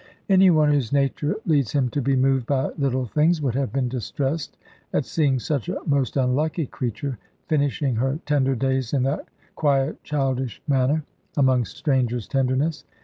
Any one whose nature leads him to be moved by little things, would have been distressed at seeing such a most unlucky creature finishing her tender days in that quiet childish manner, among strangers' tenderness.